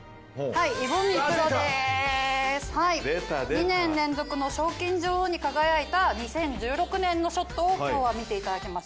２年連続の賞金女王に輝いた２０１６年のショットを今日は見ていただきます。